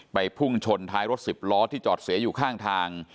พุ่งชนท้ายรถสิบล้อที่จอดเสียอยู่ข้างทาง